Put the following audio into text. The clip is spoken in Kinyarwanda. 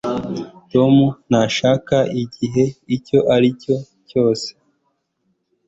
tom ntashaka igice icyo aricyo cyose